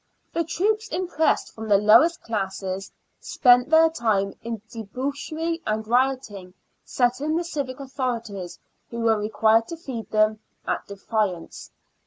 The troops, impressed from the lowest classes, spent their time m debauchery and rioting, setting the civic authorities, who 73 74 SIXTEENTH CENTURY BRISTOL. were required to feed them, at defiance.